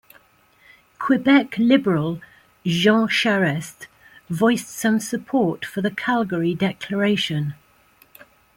Quebec Liberal Jean Charest voiced some support for the Calgary Declaration.